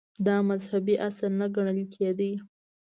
• دا مذهبي اصل نه ګڼل کېده.